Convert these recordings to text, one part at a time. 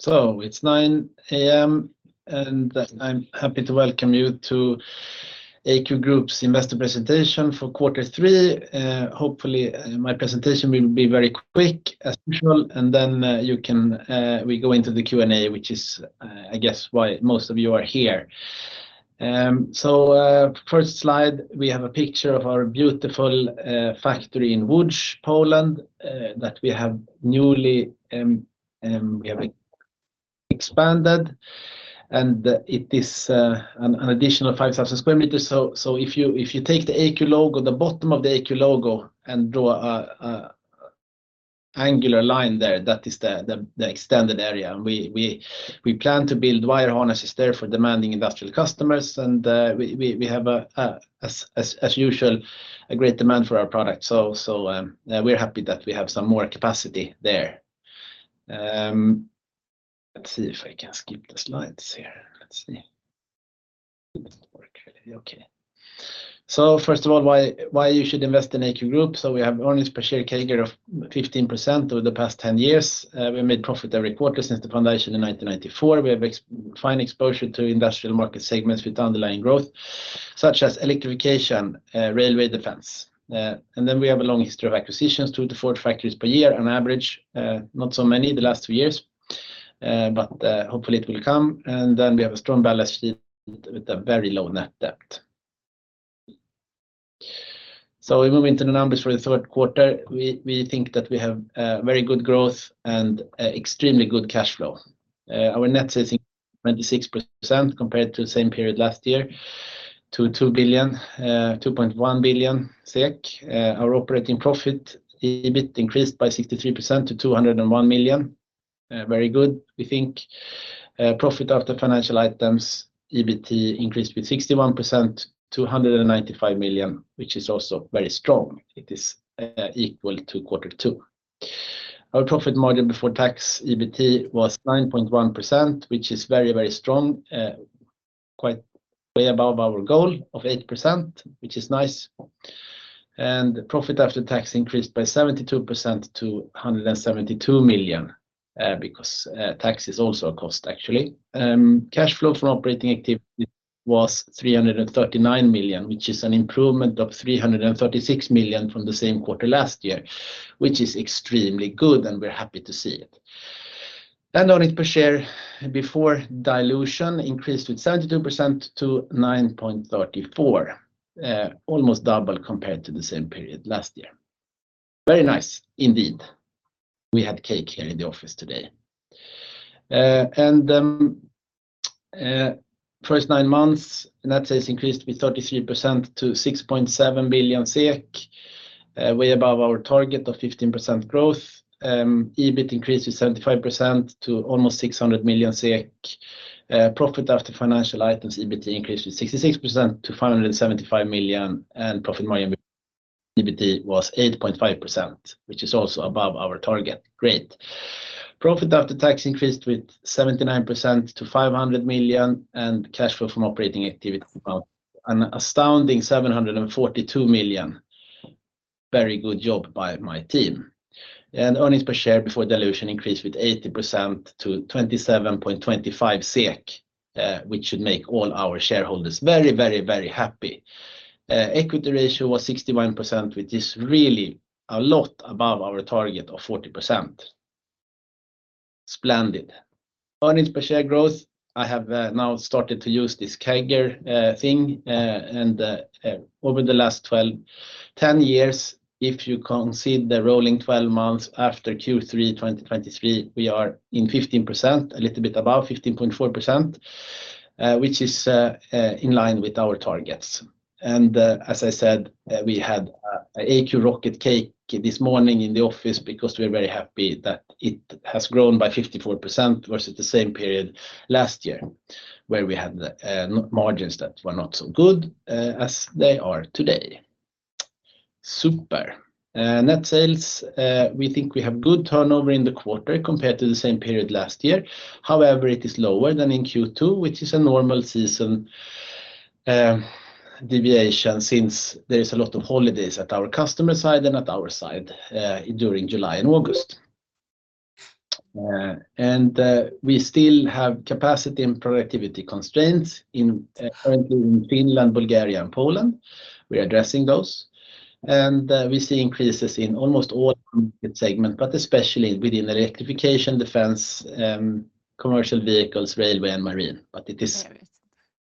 So it's 9:00 A.M., and I'm happy to welcome you to AQ Group's investor presentation for quarter three. Hopefully, my presentation will be very quick as usual, and then we can go into the Q&A, which I guess why most of you are here. So, first slide, we have a picture of our beautiful factory in Łódź, Poland, that we have newly, we have expanded, and it is, an additional 5,000 square meters. So, if you take the AQ logo, the bottom of the AQ logo and draw a angular line there, that is the extended area. And we plan to build wire harnesses there for demanding industrial customers. We have, as usual, a great demand for our product. We're happy that we have some more capacity there. Let's see if I can skip the slides here. Let's see. Okay. So first of all, why you should invest in AQ Group? We have earnings per share CAGR of 15% over the past 10 years. We made profit every quarter since the foundation in 1994. We have excellent exposure to industrial market segments with underlying growth, such as electrification, railway, defense. And then we have a long history of acquisitions, two to four factories per year on average. Not so many the last two years, but hopefully it will come. And then we have a strong balance sheet with a very low net debt. So we move into the numbers for the Q3. We, we think that we have, very good growth and, extremely good cash flow. Our net sales are 26% compared to the same period last year to 2.1 billion SEK. Our operating profit, EBT, increased by 63% to 201 million. Very good, we think. Profit after financial items, EBT, increased with 61%, 295 million, which is also very strong. It is, equal to quarter two. Our profit margin before tax, EBT, was 9.1%, which is very, very strong, quite way above our goal of 8%, which is nice. And profit after tax increased by 72% to 172 million, because, tax is also a cost, actually. Cash flow from operating activity was 339 million, which is an improvement of 336 million from the same quarter last year, which is extremely good, and we're happy to see it. Earnings per share before dilution increased with 72% to 9.34, almost double compared to the same period last year. Very nice indeed. We had cake here in the office today. First 9 months, net sales increased with 33% to 6.7 billion SEK, way above our target of 15% growth. EBT increased to 75% to almost 600 million SEK. Profit after financial items, EBT, increased to 66% to 575 million, and profit margin EBT was 8.5%, which is also above our target. Great! Profit after tax increased with 79% to 500 million, and cash flow from operating activity, about an astounding 742 million. Very good job by my team. Earnings per share before dilution increased with 80% to 27.25 SEK, which should make all our shareholders very, very, very happy. Equity ratio was 61%, which is really a lot above our target of 40%. Splendid. Earnings per share growth, I have now started to use this CAGR thing. And over the last 12, 10 years, if you consider the rolling 12 months after Q3 2023, we are in 15%, a little bit above, 15.4%, which is in line with our targets. As I said, we had an AQ rocket cake this morning in the office because we are very happy that it has grown by 54% versus the same period last year, where we had margins that were not so good as they are today. Super. Net sales, we think we have good turnover in the quarter compared to the same period last year. However, it is lower than in Q2, which is a normal seasonal deviation, since there is a lot of holidays at our customer side and at our side during July and August. We still have capacity and productivity constraints currently in Finland, Bulgaria, and Poland. We are addressing those, and we see increases in almost all segments, but especially within electrification, defense, commercial vehicles, railway, and marine. But it is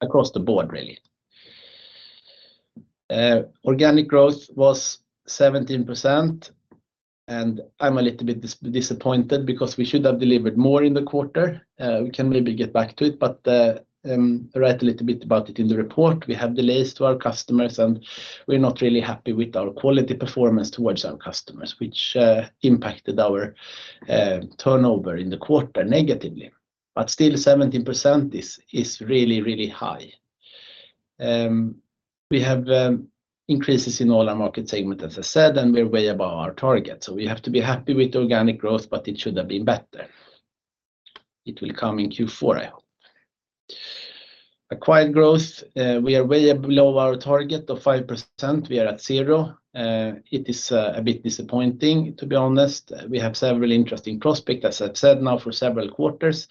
across the board, really. Organic growth was 17%, and I'm a little bit disappointed because we should have delivered more in the quarter. We can maybe get back to it, but, write a little bit about it in the report. We have delays to our customers, and we're not really happy with our quality performance towards our customers, which impacted our turnover in the quarter negatively. But still, 17% is really, really high. We have increases in all our market segment, as I said, and we're way above our target, so we have to be happy with organic growth, but it should have been better. It will come in Q4, I hope. Acquired growth, we are way below our target of 5%. We are at 0. It is a bit disappointing, to be honest. We have several interesting prospects, as I've said now for several quarters.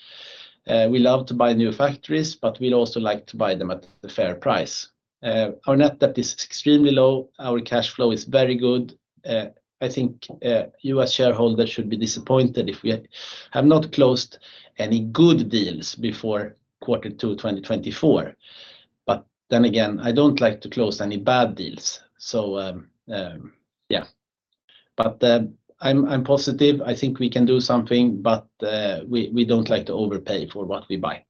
We love to buy new factories, but we'd also like to buy them at a fair price. Our net debt is extremely low. Our cash flow is very good. I think you as shareholders should be disappointed if we have not closed any good deals before Q2, 2024. But then again, I don't like to close any bad deals. So, yeah. But, I'm positive I think we can do something, but we don't like to overpay for what we buy,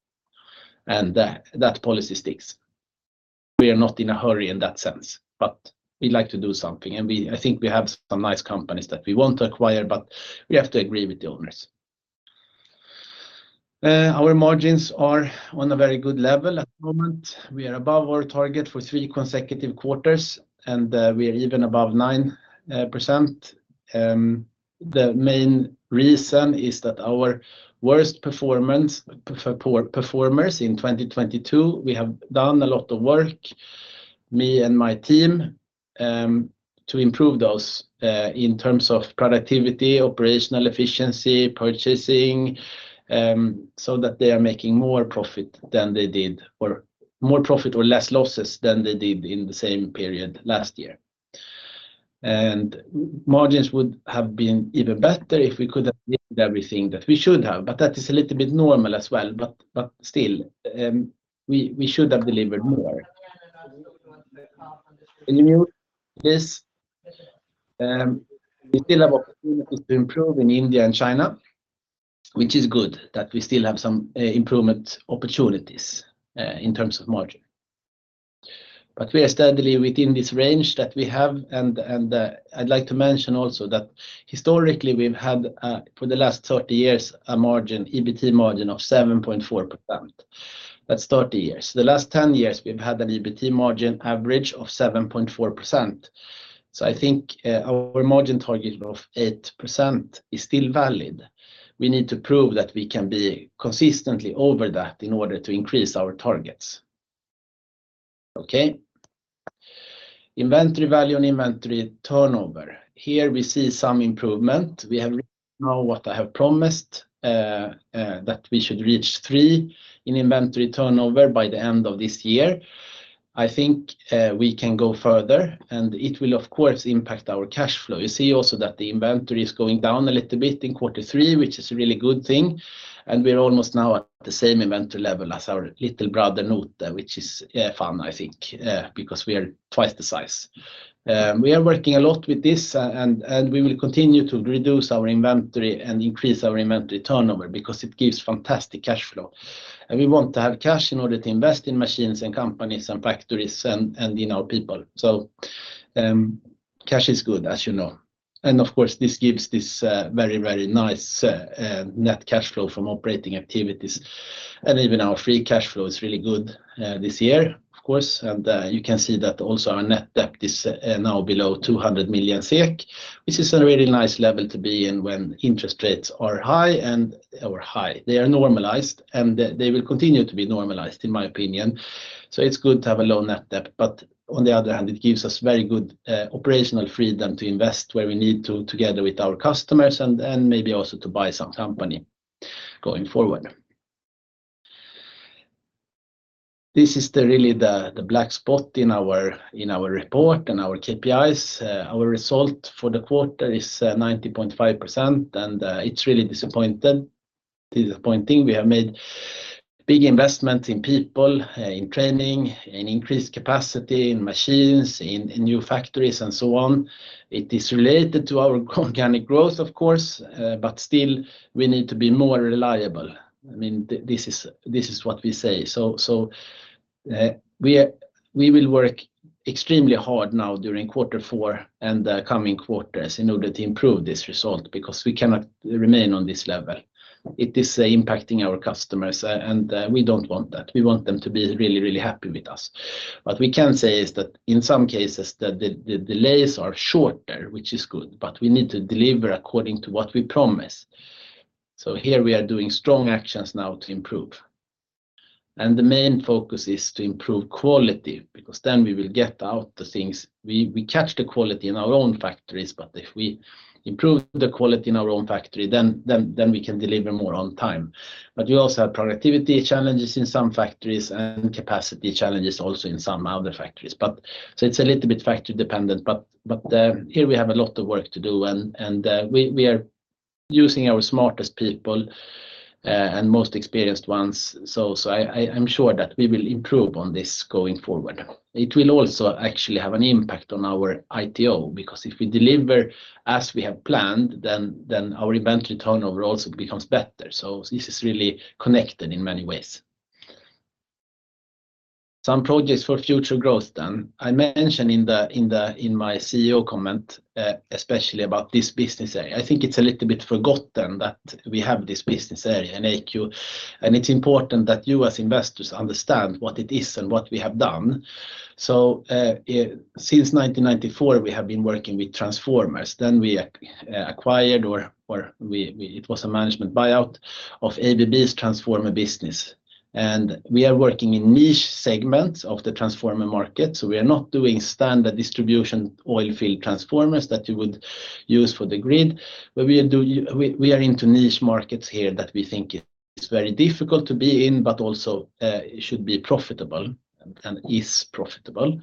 and that policy sticks. We are not in a hurry in that sense, but we'd like to do something, and we, I think we have some nice companies that we want to acquire, but we have to agree with the owners. Our margins are on a very good level at the moment. We are above our target for three consecutive quarters, and we are even above 9%. The main reason is that our worst performance, poor performers in 2022, we have done a lot of work, me and my team, to improve those in terms of productivity, operational efficiency, purchasing, so that they are making more profit than they did, or more profit or less losses than they did in the same period last year. Margins would have been even better if we could have everything that we should have, but that is a little bit normal as well. But still, we should have delivered more. Can you mute this? We still have opportunities to improve in India and China, which is good that we still have some improvement opportunities in terms of margin. But we are steadily within this range that we have, and I'd like to mention also that historically, we've had for the last 30 years a margin, EBT margin of 7.4%. That's 30 years. The last 10 years, we've had an EBT margin average of 7.4%. So I think our margin target of 8% is still valid. We need to prove that we can be consistently over that in order to increase our targets. Okay. Inventory value and inventory turnover. Here we see some improvement. We have now what I have promised, that we should reach three in inventory turnover by the end of this year. I think, we can go further, and it will of course, impact our cash flow. You see also that the inventory is going down a little bit in quarter three, which is a really good thing, and we're almost now at the same inventory level as our little brother, NOTE, which is, fun, I think, because we are twice the size. We are working a lot with this, and we will continue to reduce our inventory and increase our inventory turnover because it gives fantastic cash flow, and we want to have cash in order to invest in machines and companies and factories and in our people. So, cash is good, as you know. And of course, this gives very, very nice net cash flow from operating activities. And even our free cash flow is really good this year, of course, and you can see that also our net debt is now below 200 million SEK, which is a really nice level to be in when interest rates are high. Or high, they are normalized, and they will continue to be normalized, in my opinion. So it's good to have a low net debt, but on the other hand, it gives us very good operational freedom to invest where we need to, together with our customers and, and maybe also to buy some company going forward. This is really the black spot in our report and our KPIs. Our result for the quarter is 90.5%, and it's really disappointed, disappointing. We have made big investments in people, in training, in increased capacity, in machines, in new factories, and so on. It is related to our organic growth, of course, but still we need to be more reliable. I mean, this is what we say. We will work extremely hard now during quarter four and coming quarters in order to improve this result, because we cannot remain on this level. It is impacting our customers, and we don't want that. We want them to be really, really happy with us. What we can say is that in some cases, the delays are shorter, which is good, but we need to deliver according to what we promise. So here we are doing strong actions now to improve. And the main focus is to improve quality, because then we will get out the things. We catch the quality in our own factories, but if we improve the quality in our own factory, then we can deliver more on time. But we also have productivity challenges in some factories and capacity challenges also in some other factories. But, so it's a little bit factory dependent. But, here we have a lot of work to do, and, we are using our smartest people, and most experienced ones. So, I'm sure that we will improve on this going forward. It will also actually have an impact on our ITO, because if we deliver as we have planned, then, our inventory turnover also becomes better. So this is really connected in many ways. Some projects for future growth then. I mentioned in the, in my CEO comment, especially about this business area. I think it's a little bit forgotten that we have this business area, and AQ, and it's important that you as investors understand what it is and what we have done. So, since 1994, we have been working with transformers. Then we acquired or we it was a management buyout of ABB's transformer business, and we are working in niche segments of the transformer market. So we are not doing standard distribution oil field transformers that you would use for the grid. But we are into niche markets here that we think is very difficult to be in, but also it should be profitable and is profitable.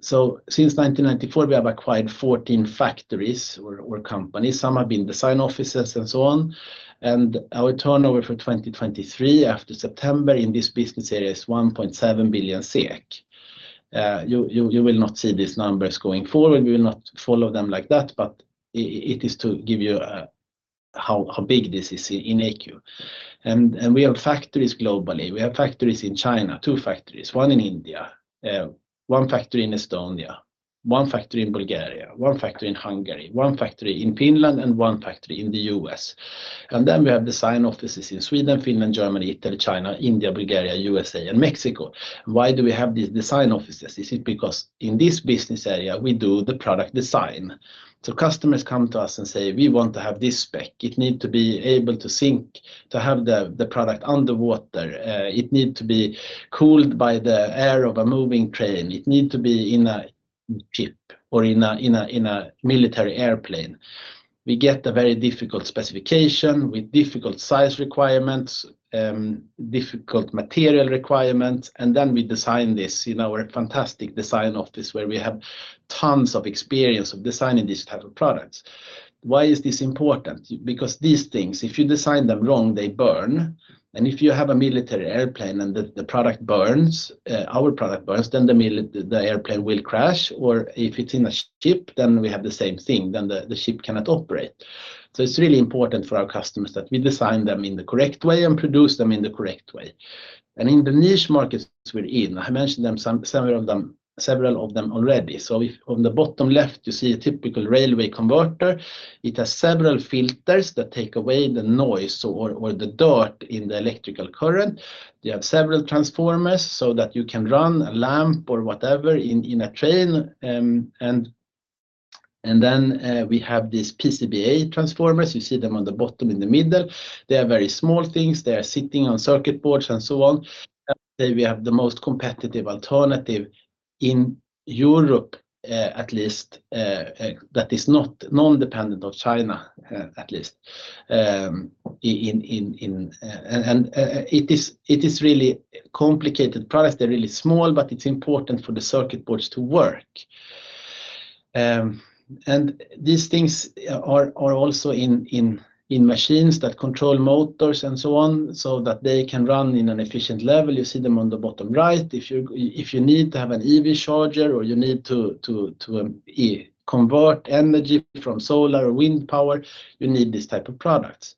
So since 1994, we have acquired 14 factories or companies. Some have been design offices and so on. And our turnover for 2023 after September in this business area is 1.7 billion SEK. You will not see these numbers going forward. We will not follow them like that, but it is to give you how big this is in AQ. And we have factories globally. We have factories in China, two factories, one in India, one factory in Estonia, one factory in Bulgaria, one factory in Hungary, one factory in Finland, and one factory in the US. And then we have design offices in Sweden, Finland, Germany, Italy, China, India, Bulgaria, USA, and Mexico. Why do we have these design offices? This is because in this business area, we do the product design. So customers come to us and say, "We want to have this spec. It need to be able to sink, to have the, the product underwater. It need to be cooled by the air of a moving train. It needs to be in a ship or in a military airplane." We get a very difficult specification with difficult size requirements, difficult material requirements, and then we design this in our fantastic design office, where we have tons of experience of designing these type of products. Why is this important? Because these things, if you design them wrong, they burn. And if you have a military airplane and the product burns, our product burns, then the military airplane will crash, or if it's in a ship, then we have the same thing, then the ship cannot operate. So it's really important for our customers that we design them in the correct way and produce them in the correct way. And in the niche markets we're in, I mentioned them, several of them already. So if on the bottom left, you see a typical railway converter, it has several filters that take away the noise or the dirt in the electrical current. You have several transformers so that you can run a lamp or whatever in a train. And then we have these PCBA Transformers. You see them on the bottom in the middle. They are very small things. They are sitting on circuit boards and so on. Then we have the most competitive alternative in Europe, at least, that is not non-dependent of China, at least, and it is really complicated products. They're really small, but it's important for the circuit boards to work. And these things are also in machines that control motors and so on, so that they can run in an efficient level. You see them on the bottom right. If you need to have an EV charger or you need to convert energy from solar or wind power, you need these type of products.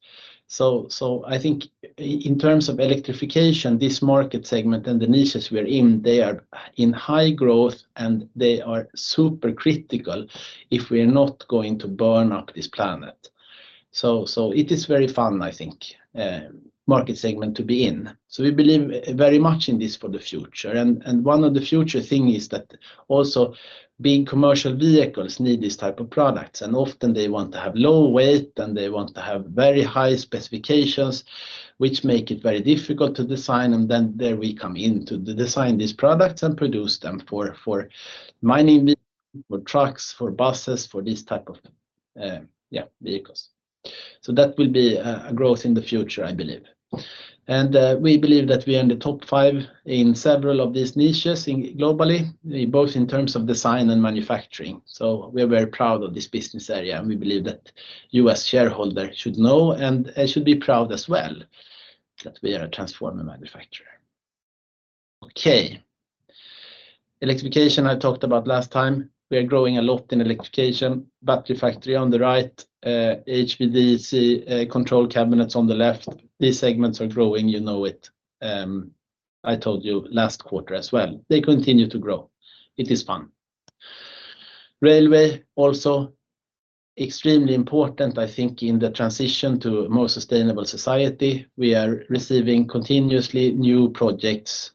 So I think in terms of electrification, this market segment and the niches we're in, they are in high growth, and they are super critical if we're not going to burn up this planet. So it is very fun, I think, market segment to be in. So we believe very much in this for the future. And one of the future thing is that also big commercial vehicles need these type of products, and often they want to have low weight, and they want to have very high specifications, which make it very difficult to design. And then there we come in to design these products and produce them for mining, for trucks, for buses, for this type of vehicles. So that will be a growth in the future, I believe. And we believe that we are in the top five in several of these niches globally, both in terms of design and manufacturing. So we are very proud of this business area, and we believe that you as shareholder should know, and should be proud as well, that we are a transformer manufacturer. Okay. Electrification, I talked about last time. We are growing a lot in electrification. Battery factory on the right, HVDC, control cabinets on the left. These segments are growing, you know it. I told you last quarter as well. They continue to grow. It is fun. Railway, also extremely important, I think, in the transition to a more sustainable society. We are receiving continuously new projects,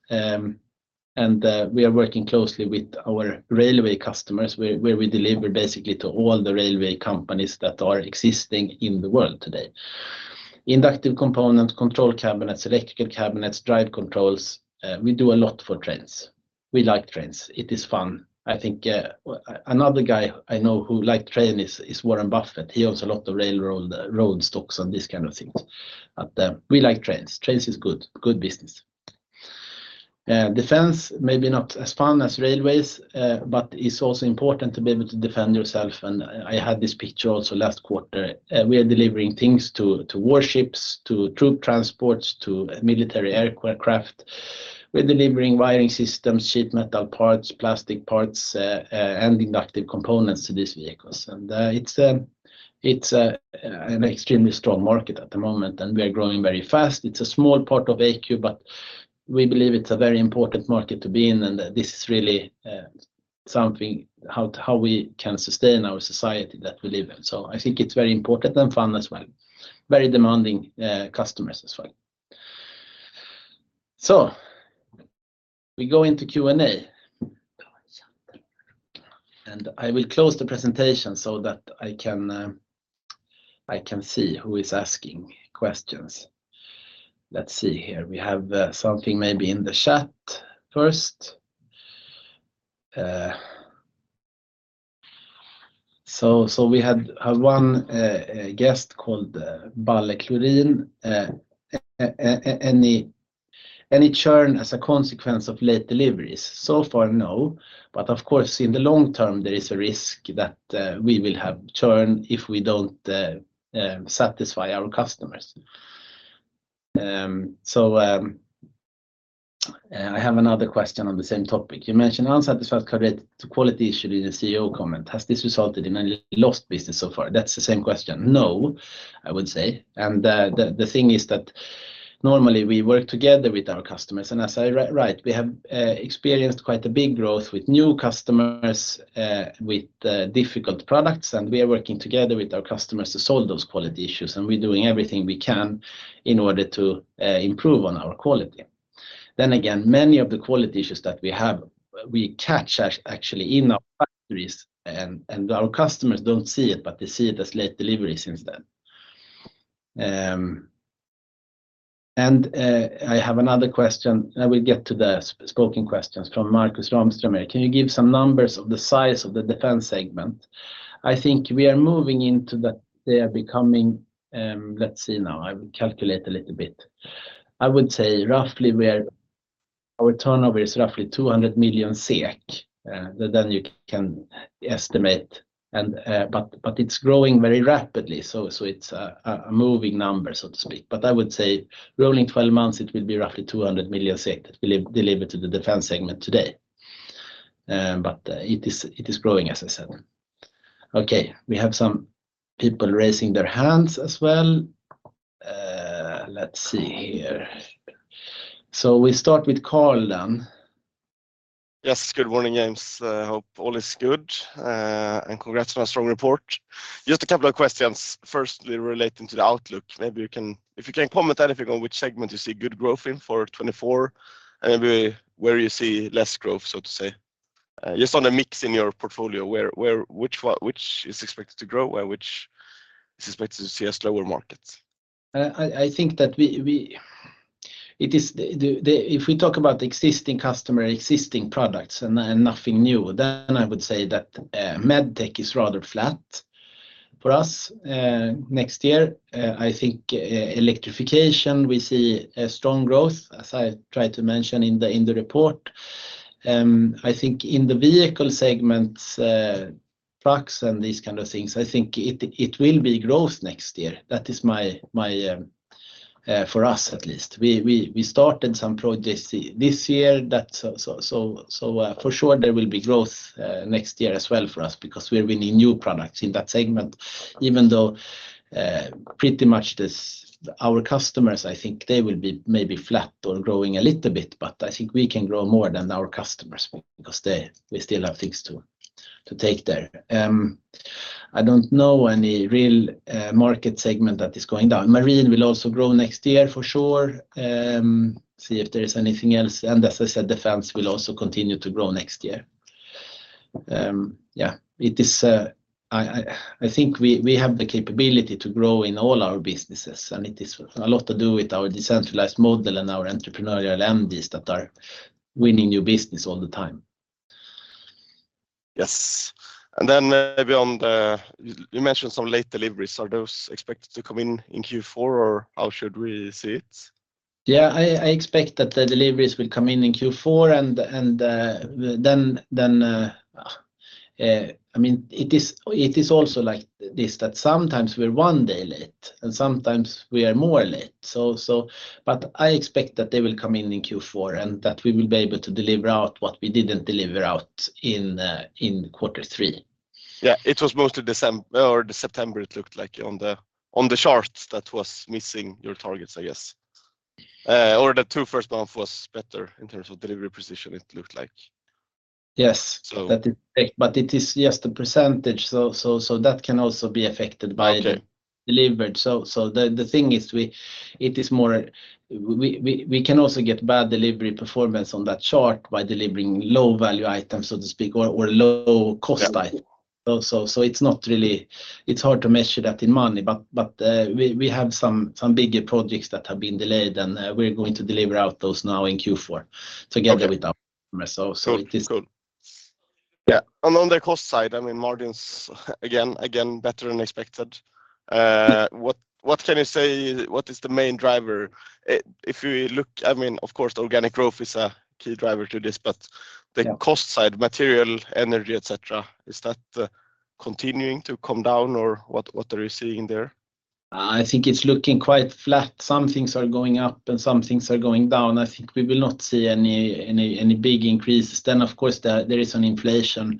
and we are working closely with our railway customers, where we deliver basically to all the railway companies that are existing in the world today. Inductive components, control cabinets, electrical cabinets, drive controls, we do a lot for trains. We like trains. It is fun. I think, another guy I know who like train is Warren Buffett. He owns a lot of railroad stocks and these kind of things. But, we like trains. Trains is good business. Defense, maybe not as fun as railways, but it's also important to be able to defend yourself. I had this picture also last quarter. We are delivering things to warships, to troop transports, to military aircraft. We're delivering wiring systems, sheet metal parts, plastic parts, and inductive components to these vehicles. It's an extremely strong market at the moment, and we are growing very fast. It's a small part of AQ, but we believe it's a very important market to be in, and this is really something, how we can sustain our society that we live in. So I think it's very important and fun as well. Very demanding customers as well. So we go into Q&A. I will close the presentation so that I can, I can see who is asking questions. Let's see here. We have, something maybe in the chat first. So we had, one, a guest called, Olle Florin. Any churn as a consequence of late deliveries? So far, no, but of course, in the long term, there is a risk that, we will have churn if we don't, satisfy our customers. So, I have another question on the same topic. You mentioned unsatisfied credit to quality issue in the CEO comment. Has this resulted in any lost business so far? That's the same question. No, I would say, and the thing is that normally we work together with our customers, and as I right, we have experienced quite a big growth with new customers with difficult products, and we are working together with our customers to solve those quality issues, and we're doing everything we can in order to improve on our quality. Then again, many of the quality issues that we have, we catch actually in our factories, and our customers don't see it, but they see it as late delivery since then. And I have another question, and I will get to the spoken questions from Marcus Ramström. Can you give some numbers of the size of the defense segment? I think we are moving into the--they are becoming, let's see now, I will calculate a little bit. I would say roughly we are, our turnover is roughly 200 million SEK, then you can estimate, and, but it's growing very rapidly, so it's a moving number, so to speak. But I would say rolling twelve months, it will be roughly 200 million delivered to the defense segment today. But it is growing, as I said. Okay, we have some people raising their hands as well. Let's see here. So we start with Carl then. Yes, good morning, James. Hope all is good, and congrats on a strong report. Just a couple of questions, firstly, relating to the outlook. Maybe if you can comment that, if you go, which segment you see good growth in for 2024, and maybe where you see less growth, so to say. Just on a mix in your portfolio, where, which one, which is expected to grow and which is expected to see a slower market? I think that if we talk about existing customer, existing products and nothing new, then I would say that MedTech is rather flat for us. Next year, I think electrification we see a strong growth, as I tried to mention in the report. I think in the vehicle segments, trucks and these kind of things, I think it will be growth next year. That is my for us at least. We started some projects this year that for sure there will be growth next year as well for us because we are winning new products in that segment, even though pretty much this, our customers, I think they will be maybe flat or growing a little bit, but I think we can grow more than our customers because we still have things to take there. I don't know any real market segment that is going down. Marine will also grow next year for sure. See if there is anything else, and as I said, defense will also continue to grow next year. Yeah, it is. I think we have the capability to grow in all our businesses, and it is a lot to do with our decentralized model and our entrepreneurial MDs that are winning new business all the time. Yes. And then maybe on the, you mentioned some late deliveries. Are those expected to come in in Q4, or how should we see it? Yeah, I expect that the deliveries will come in in Q4, and then I mean, it is also like this, that sometimes we're one day late, and sometimes we are more late. So, but I expect that they will come in in Q4, and that we will be able to deliver out what we didn't deliver out in quarter three. Yeah, it was mostly December or the September, it looked like on the charts that was missing your targets, I guess. Or the two first months was better in terms of delivery precision, it looked like. Yes. But it is just a percentage, so that can also be affected by delivered. So the thing is, it is more, we can also get bad delivery performance on that chart by delivering low-value items, so to speak, or low cost items. So, it's hard to measure that in money, but we have some bigger projects that have been delayed, and we're going to deliver out those now in Q4 together with our, so it is. Cool. Yeah, and on the cost side, I mean, margins, again, again, better than expected. Yeah What can you say? What is the main driver? If you look, I mean, of course, organic growth is a key driver to this, but the cost side, material, energy, et cetera, is that continuing to come down, or what, what are you seeing there? I think it's looking quite flat. Some things are going up, and some things are going down. I think we will not see any big increases. Then, of course, there is an inflation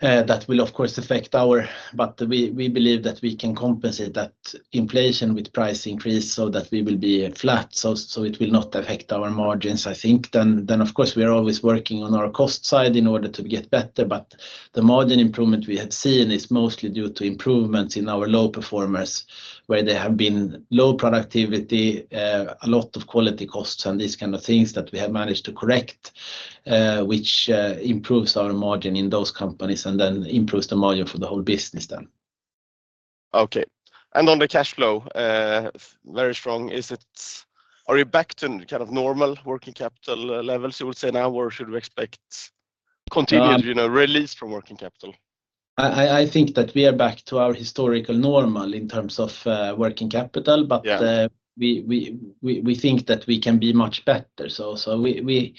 that will of course affect our, but we believe that we can compensate that inflation with price increase so that we will be flat. So it will not affect our margins, I think. Then of course, we are always working on our cost side in order to get better, but the margin improvement we have seen is mostly due to improvements in our low performers, where there have been low productivity, a lot of quality costs and these kind of things that we have managed to correct, which improves our margin in those companies and then improves the margin for the whole business then. Okay. On the cash flow, very strong. Is it- are you back to kind of normal working capital levels, you would say now? Or should we expect continued, you know, release from working capital? I think that we are back to our historical normal in terms of working capital. Yeah. But we think that we can be much better. So we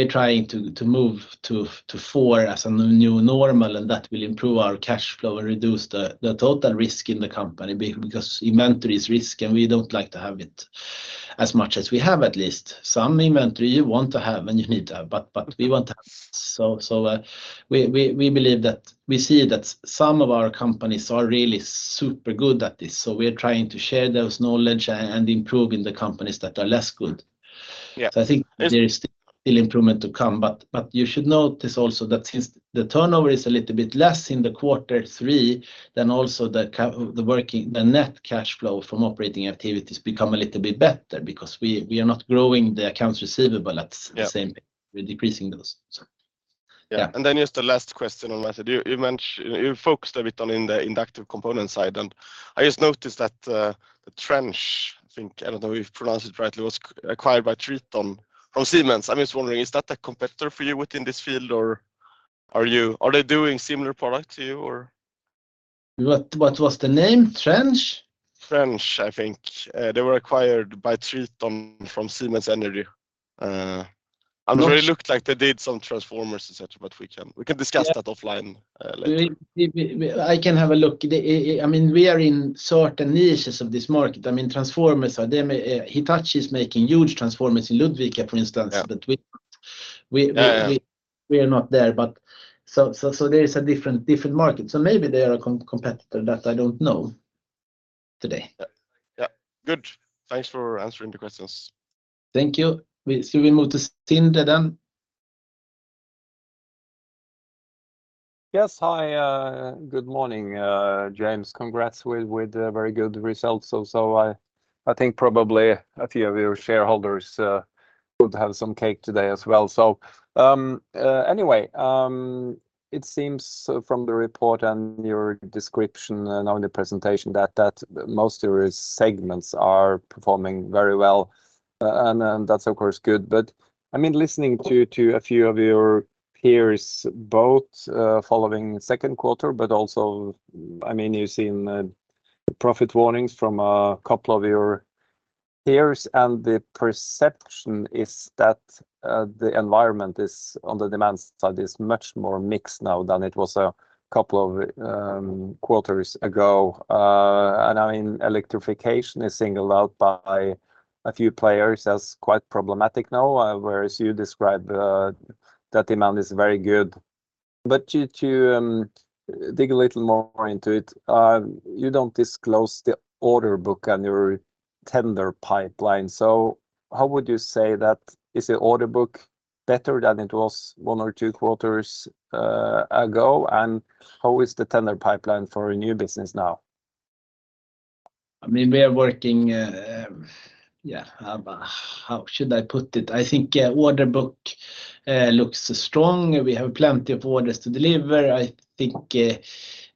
are trying to move to four as a new normal, and that will improve our cash flow and reduce the total risk in the company, because inventory is risk, and we don't like to have it as much as we have at least. Some inventory you want to have, and you need to have, but we want to... So we believe that we see that some of our companies are really super good at this, so we are trying to share those knowledge and improve in the companies that are less good. Yeah. So I think there is still improvement to come, but you should notice also that since the turnover is a little bit less in Q3, then also the working, the net cash flow from operating activities become a little bit better because we are not growing the accounts receivable at the same, we're decreasing those, so. Yeah. And then just the last question on that. You mentioned—you focused a bit on, in the inductive component side, and I just noticed that the Trench, I think, I don't know if you pronounce it rightly, was acquired by Triton from Siemens. I'm just wondering, is that a competitor for you within this field, or are they doing similar product to you, or? What, what was the name? Trench? Trench, I think. They were acquired by Triton from Siemens Energy. It looked like they did some transformers, et cetera, but we can, we can discuss that offline, later. I can have a look. I mean, we are in certain niches of this market. I mean, transformers are, they may- Hitachi is making huge transformers in Ludvika, for instance. Yeah. But we are not there, but so there is a different market. So maybe they are a competitor that I don't know today. Yeah. Yeah. Good. Thanks for answering the questions. Thank you. Should we move to Sindre then? Yes. Hi, good morning, James. Congrats with the very good results. I think probably a few of your shareholders would have some cake today as well. Anyway, it seems from the report and your description and on the presentation that most of your segments are performing very well. And that's of course good, but I mean, listening to a few of your peers, both following Q2, but also, I mean, you've seen profit warnings from a couple of your peers, and the perception is that the environment is, on the demand side, is much more mixed now than it was a couple of quarters ago. I mean, electrification is singled out by a few players as quite problematic now, whereas you describe that demand is very good. But to dig a little more into it, you don't disclose the order book and your tender pipeline, so how would you say that is the order book better than it was one or two quarters ago? And how is the tender pipeline for new business now? I mean, we are working, yeah, how should I put it? I think, yeah, order book looks strong. We have plenty of orders to deliver. I think,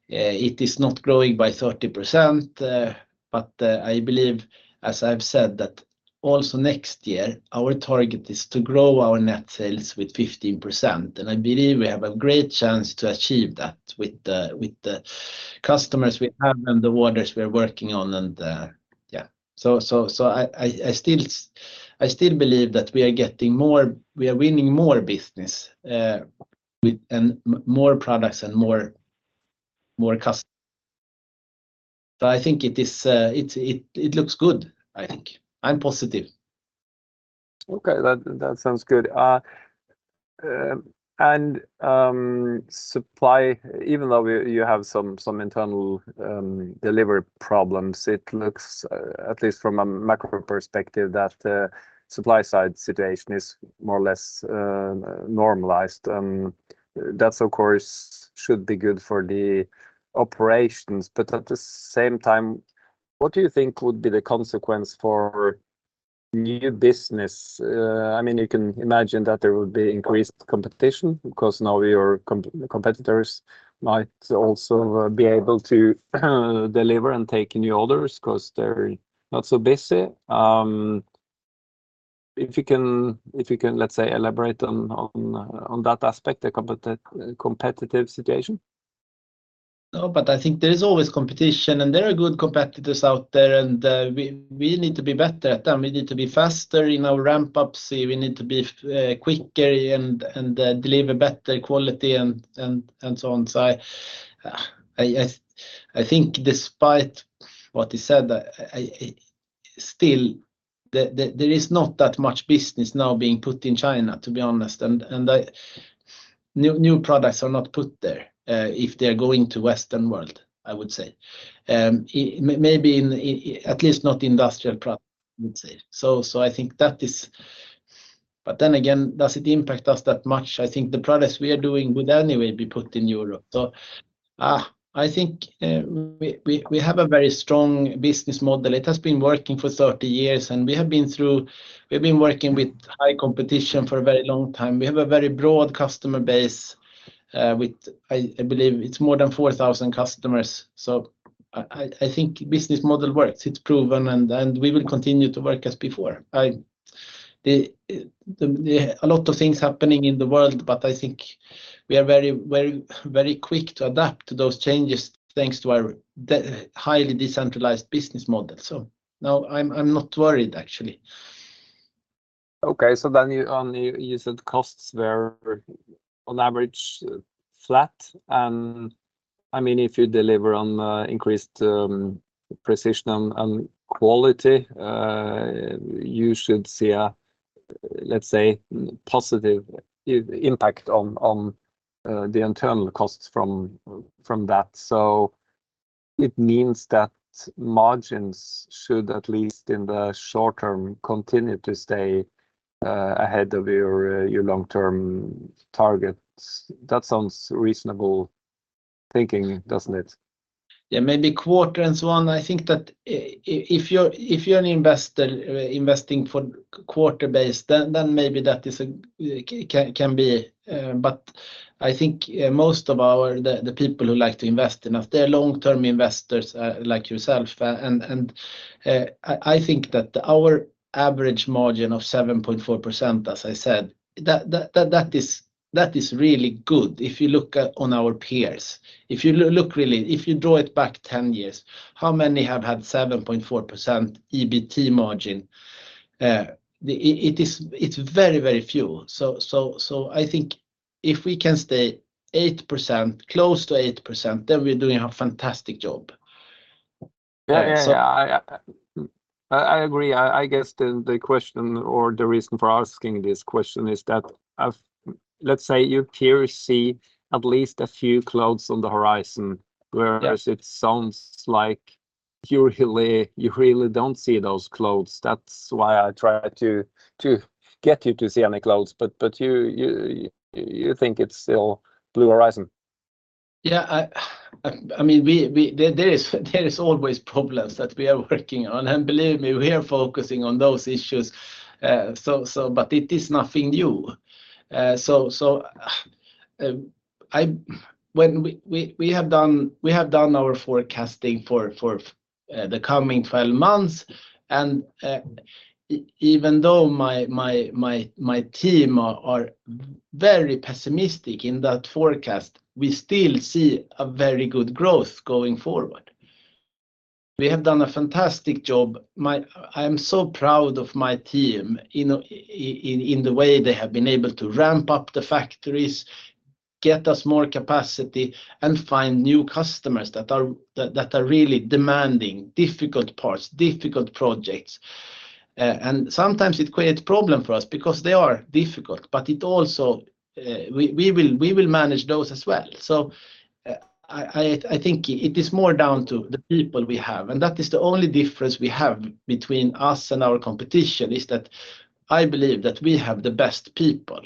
it is not growing by 30%, but, I believe, as I've said, that also next year, our target is to grow our net sales with 15%, and I believe we have a great chance to achieve that with the, with the customers we have and the orders we are working on and, yeah. So, I still believe that we are getting more, we are winning more business, with more products and more customers. So I think it looks good, I think. I'm positive. Okay, that, that sounds good. Supply, even though you have some internal delivery problems, it looks at least from a macro perspective that the supply side situation is more or less normalized. That of course should be good for the operations, but at the same time, what do you think would be the consequence for new business? I mean, you can imagine that there would be increased competition because now your competitors might also be able to deliver and take new orders 'cause they're not so busy. If you can, let's say, elaborate on that aspect, the competitive situation. No, but I think there is always competition, and there are good competitors out there, and we need to be better at them. We need to be faster in our ramp-ups. We need to be quicker and deliver better quality and so on. So I think despite what you said, still there is not that much business now being put in China, to be honest. And new products are not put there, if they are going to Western world, I would say. Maybe at least not industrial products, I would say. So I think that is. But then again, does it impact us that much? I think the products we are doing would anyway be put in Europe. So, I think we have a very strong business model. It has been working for 30 years, and we have been through—we've been working with high competition for a very long time. We have a very broad customer base, with, I believe it's more than 4,000 customers. So I think business model works. It's proven, and we will continue to work as before. A lot of things happening in the world, but I think we are very, very, very quick to adapt to those changes, thanks to our highly decentralized business model. So no, I'm not worried, actually. Okay. So then you said costs were on average flat, and I mean, if you deliver on increased precision and quality, you should see a, let's say, positive impact on the internal costs from that. So it means that margins should, at least in the short term, continue to stay ahead of your long-term targets. That sounds reasonable thinking, doesn't it? Yeah, maybe quarter and so on. I think that if you're, if you're an investor, investing for quarter-based, then, then maybe that is a, it can, can be... But I think most of our, the people who like to invest in us, they're long-term investors, like yourself. And I think that our average margin of 7.4%, as I said, that is really good if you look at our peers. If you look really, if you draw it back 10 years, how many have had 7.4% EBT margin? It is very, very few. So I think if we can stay 8%, close to 8%, then we're doing a fantastic job. Yeah, yeah, yeah. I agree. I guess the question or the reason for asking this question is that I've, let's say you clearly see at least a few clouds on the horizon, whereas it sounds like you really don't see those clouds. That's why I try to get you to see any clouds, but you think it's still blue horizon? Yeah, I mean, there is always problems that we are working on, and believe me, we are focusing on those issues. But it is nothing new. When we have done our forecasting for the coming 12 months, and even though my team are very pessimistic in that forecast, we still see a very good growth going forward. We have done a fantastic job. I am so proud of my team in the way they have been able to ramp up the factories, get us more capacity, and find new customers that are really demanding difficult parts, difficult projects. And sometimes it creates problem for us because they are difficult, but it also we will manage those as well. So, I think it is more down to the people we have, and that is the only difference we have between us and our competition, is that I believe that we have the best people.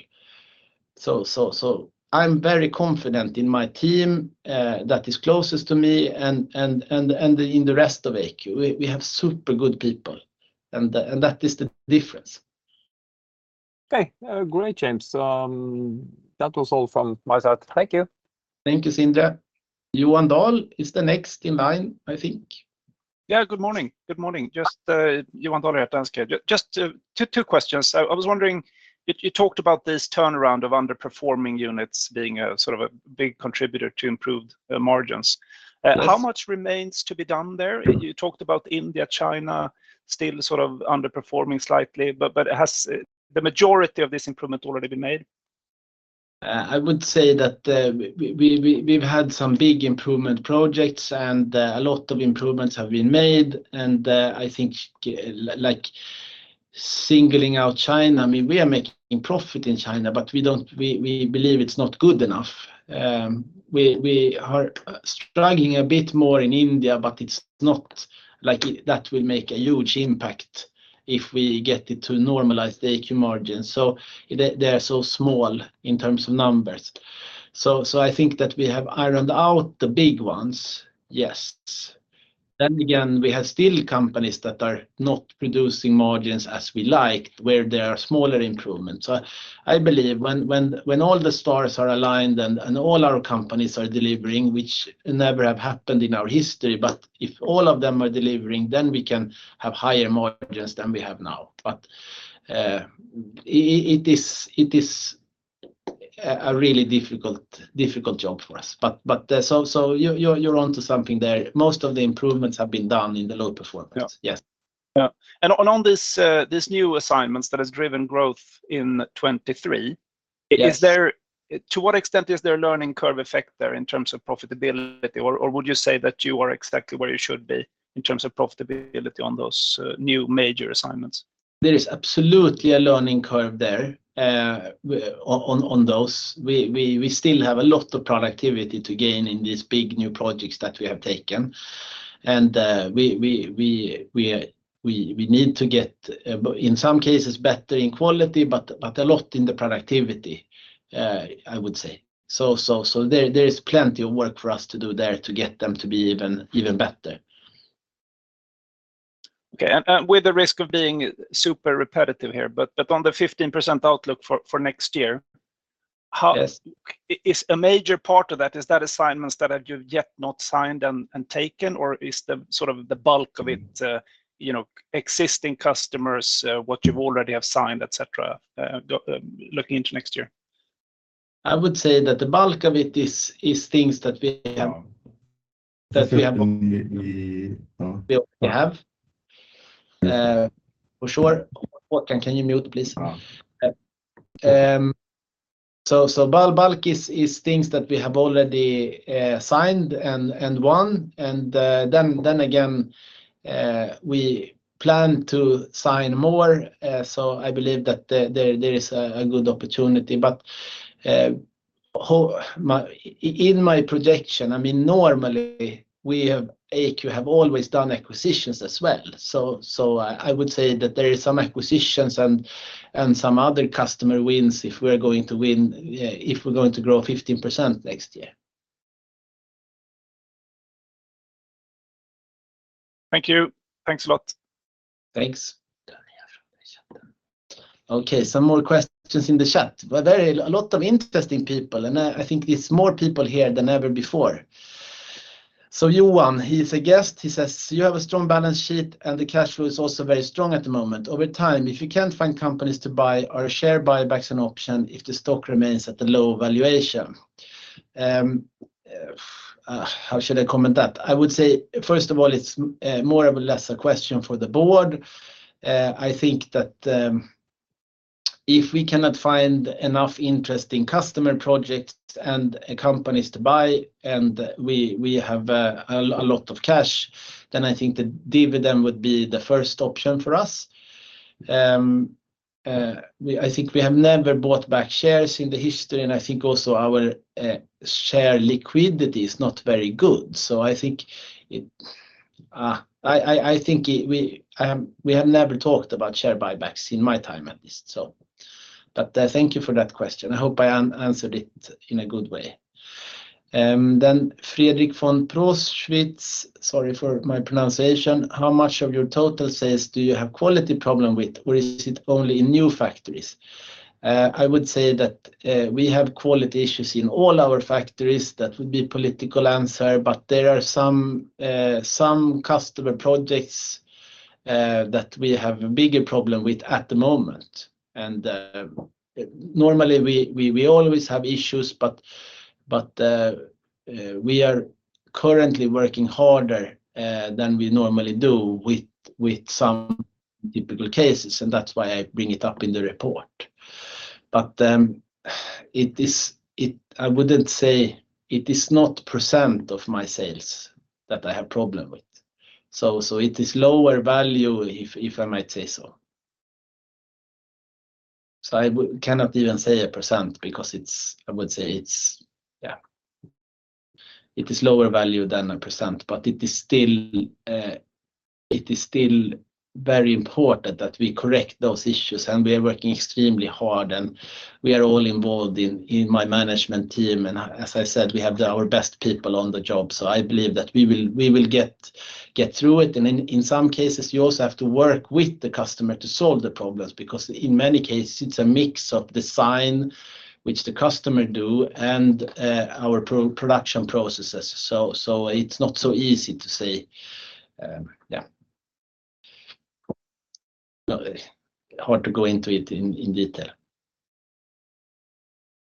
So, I'm very confident in my team that is closest to me and in the rest of AQ. We have super good people, and that is the difference. Okay. Great, James. That was all from my side. Thank you. Thank you, Sindre. Johan Dahl is the next in line, I think. Yeah. Good morning. Good morning. Just, Johan Dahl, Danske. Just two questions. I was wondering, you talked about this turnaround of underperforming units being a sort of a big contributor to improved margins. Yes. How much remains to be done there? You talked about India, China still sort of underperforming slightly, but has the majority of this improvement already been made? I would say that we've had some big improvement projects, and a lot of improvements have been made. And I think like singling out China, I mean, we are making profit in China, but we don't, we believe it's not good enough. We are struggling a bit more in India, but it's not like that will make a huge impact if we get it to normalize the AQ margin. So they are so small in terms of numbers. So I think that we have ironed out the big ones. Yes. Then again, we have still companies that are not producing margins as we like, where there are smaller improvements. So I believe when all the stars are aligned and all our companies are delivering, which never have happened in our history, but if all of them are delivering, then we can have higher margins than we have now. But it is a really difficult job for us. But there's also. You're onto something there. Most of the improvements have been done in the low performance. Yeah. Yes. Yeah. And on this new assignments that has driven growth in 2023... Is there, to what extent is there a learning curve effect there in terms of profitability? Or, or would you say that you are exactly where you should be in terms of profitability on those new major assignments? There is absolutely a learning curve there, on those. We still have a lot of productivity to gain in these big new projects that we have taken. And we need to get, in some cases better in quality, but a lot in the productivity, I would say. So there is plenty of work for us to do there to get them to be even better. Okay, and with the risk of being super repetitive here, but on the 15% outlook for next year, how is a major part of that, is that assignments that you've yet not signed and taken? Or is the sort of the bulk of it, you know, existing customers, what you've already have signed, et cetera, looking into next year? I would say that the bulk of it is things that we have. For sure. Håkan, can you mute, please? So, bulk is things that we have already signed and won. And then again, we plan to sign more. So I believe that there is a good opportunity. But, however, in my projection, I mean, normally we have, AQ have always done acquisitions as well. So I would say that there is some acquisitions and some other customer wins if we're going to win, if we're going to grow 15% next year. Thank you. Thanks a lot. Thanks. Okay, some more questions in the chat. But there are a lot of interesting people, and I think it's more people here than ever before. So Johan, he's a guest. He says, "You have a strong balance sheet, and the cash flow is also very strong at the moment. Over time, if you can't find companies to buy are share buybacks an option if the stock remains at a low valuation?" How should I comment that? I would say, first of all, it's more of a lesser question for the board. I think that if we cannot find enough interesting customer projects and companies to buy, and we have a lot of cash, then I think the dividend would be the first option for us. We... I think we have never bought back shares in the history, and I think also our share liquidity is not very good. So I think we have never talked about share buybacks in my time at least, so. But thank you for that question. I hope I answered it in a good way. Then Fredrik von Proschwitz, sorry for my pronunciation: "How much of your total sales do you have quality problem with, or is it only in new factories?" I would say that we have quality issues in all our factories. That would be political answer, but there are some customer projects that we have a bigger problem with at the moment. And normally, we always have issues, but we are currently working harder than we normally do with some typical cases, and that's why I bring it up in the report. But I wouldn't say it is not % of my sales that I have problem with. So it is lower value if I might say so. So I would cannot even say a % because it's... I would say it's, yeah, it is lower value than a %, but it is still very important that we correct those issues, and we are working extremely hard, and we are all involved in my management team. And as I said, we have our best people on the job, so I believe that we will get through it. In some cases, you also have to work with the customer to solve the problems, because in many cases, it's a mix of design which the customer do and our production processes. So it's not so easy to say. Yeah. Hard to go into it in detail.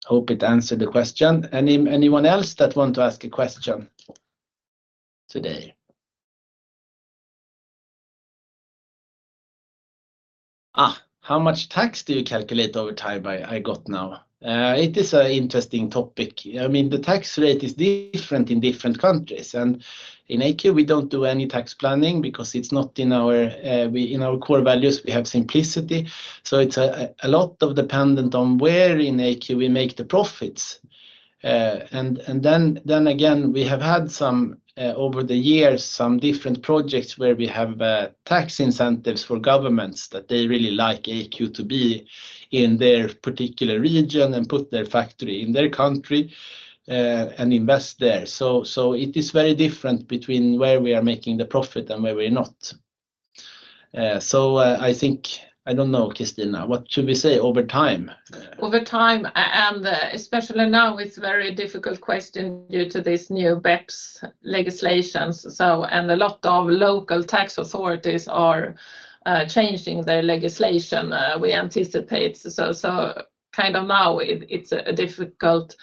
Hope it answered the question. Anyone else that want to ask a question today? Ah, "How much tax do you calculate over time?" I got now. It is an interesting topic. I mean, the tax rate is different in different countries, and in AQ, we don't do any tax planning because it's not in our core values, we have simplicity, so it's a lot of dependent on where in AQ we make the profits. And then again, we have had some over the years, some different projects where we have tax incentives for governments that they really like AQ to be in their particular region and put their factory in their country and invest there. So it is very different between where we are making the profit and where we're not. I think I don't know, Christina, what should we say over time? Over time, and especially now, it's a very difficult question due to this new BEPS legislation. So, and a lot of local tax authorities are changing their legislation, we anticipate. So, kind of now it, it's a difficult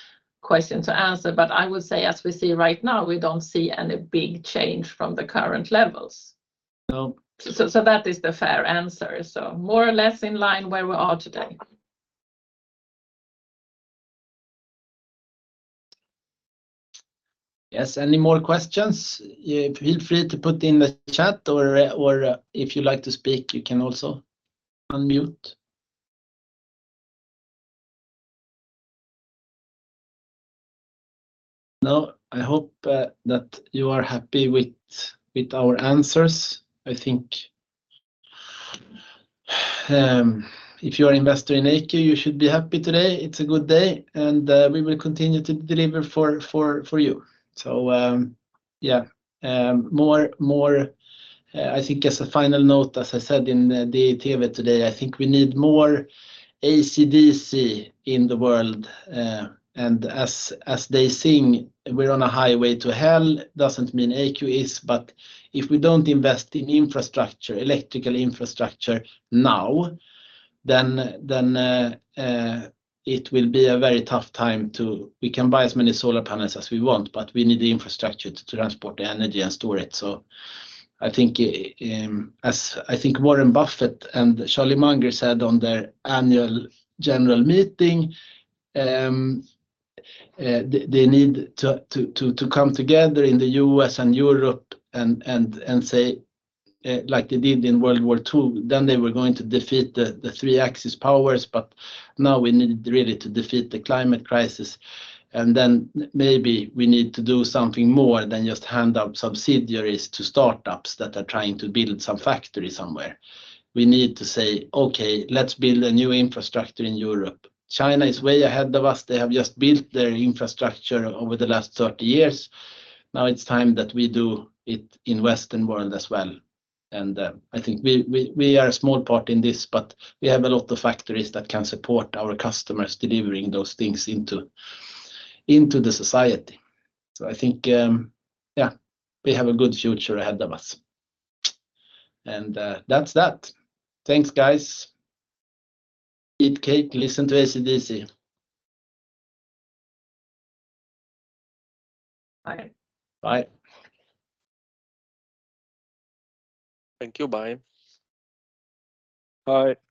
question to answer, but I would say, as we see right now, we don't see any big change from the current levels. So, that is the fair answer. So more or less in line where we are today. Yes. Any more questions? Feel free to put in the chat, or, or if you like to speak, you can also unmute. No, I hope that you are happy with, with our answers. I think, if you're an investor in AQ, you should be happy today. It's a good day, and, we will continue to deliver for, for, for you. So, yeah, more, more, I think as a final note, as I said in the TV today, I think we need more AC/DC in the world. And as they sing, we're on a highway to hell, doesn't mean AQ is, but if we don't invest in infrastructure, electrical infrastructure now, it will be a very tough time to—we can buy as many solar panels as we want, but we need the infrastructure to transport the energy and store it. So I think, as I think Warren Buffett and Charlie Munger said on their annual general meeting, they need to come together in the U.S. and Europe and say, like they did in World War II, then they were going to defeat the three Axis powers, but now we need really to defeat the climate crisis. Then maybe we need to do something more than just hand out subsidies to startups that are trying to build some factory somewhere. We need to say, "Okay, let's build a new infrastructure in Europe." China is way ahead of us. They have just built their infrastructure over the last 30 years. Now it's time that we do it in Western world as well. And, I think we are a small part in this, but we have a lot of factories that can support our customers delivering those things into the society. So I think, yeah, we have a good future ahead of us. And, that's that. Thanks, guys. Eat cake, listen to AC/DC. Bye. Bye. Thank you. Bye. Bye.